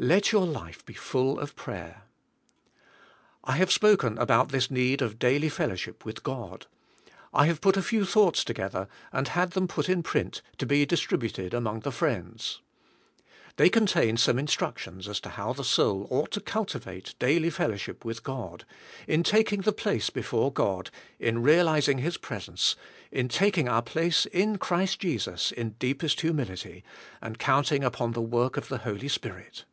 Let your life be full of prayer. I have spoken about this need of daily fellowship with God. I have put a few thoughts together and had them put in print to be distributed among the friends. They contain some instructions as to how the soul ought to culti vate daily fellowship with God, in taking the place before God, in realizing His presence, in taking our place in Christ Jesus in deepest humility, and count ing upon the work of the Holy Spirit.